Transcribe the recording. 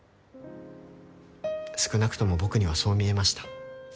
少なくとも僕にはそう見えました。